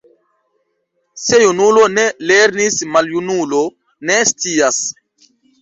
Se junulo ne lernis, maljunulo ne scias.